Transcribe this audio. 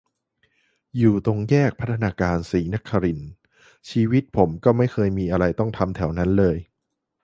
อยู่ตรงแยก พัฒนาการ-ศรีนครินทร์ ชีวิตผมไม่เคยมีอะไรต้องทำแถวนั้นเลย